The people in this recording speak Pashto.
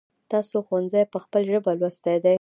تاسو ښونځی په خپل ژبه لوستی دی ؟